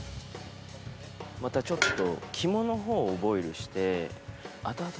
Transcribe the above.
またちょっと。